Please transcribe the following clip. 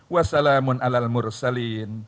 wassalamun ala almursalin